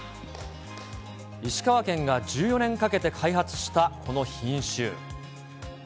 石川県が１４年かけて開発したこの品種。